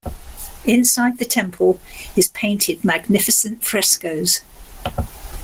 Inside the temple is painted magnificent frescoes.